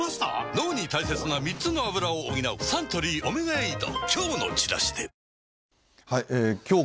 脳に大切な３つのアブラを補うサントリー「オメガエイド」